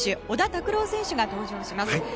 小田卓朗選手が登場します。